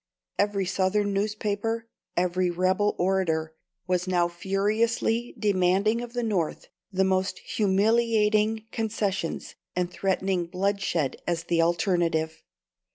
Every Southern newspaper, every rebel orator, was now furiously demanding of the North the most humiliating concessions, and threatening bloodshed as the alternative.